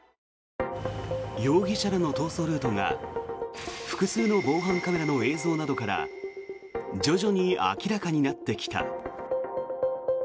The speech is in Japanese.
容疑者らの逃走ルートが複数の防犯カメラの映像などから徐々に明らかになってきた。